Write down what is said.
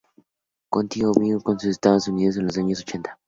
Conti emigró con su familia a Estados Unidos en los años ochenta.